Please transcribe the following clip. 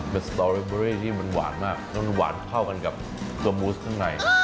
เป็นสตอเรเบอรี่ที่มันหวานมากแล้วมันหวานเข้ากันกับตัวมูสข้างในนะ